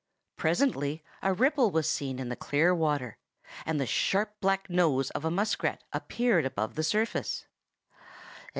Presently a ripple was seen in the clear water, and the sharp black nose of a muskrat appeared above the surface.